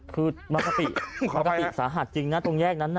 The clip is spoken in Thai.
คือบากกะปิสาหัสจริงนะตรงแยกนั้นน่ะ